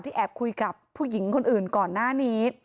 แอบคุยกับผู้หญิงคนอื่นก่อนหน้านี้